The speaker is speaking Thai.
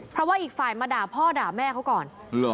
เพราะว่าอีกฝ่ายมาด่าพ่อด่าแม่เขาก่อน